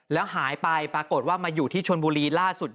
แล้วหายไปปรากฏว่ามาอยู่ที่ชวนบุรี